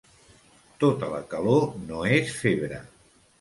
Tota la calor no és febre.